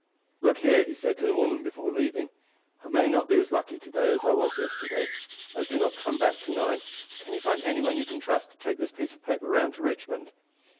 "Look here," he said to the woman before leaving. "I may not be as lucky to day as I was yesterday. If I do not come back to night, can you find any one you can trust to take this piece of paper round to Richmond?